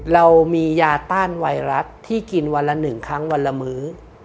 เรามียาต้านไวรัสที่กินวันละ๑ครั้งวันละมื้อ